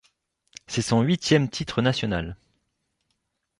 C’est son huitième titre national.